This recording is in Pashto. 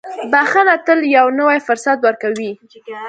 • بښنه تل یو نوی فرصت ورکوي.